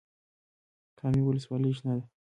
کامې ولسوالۍ شنه ده؟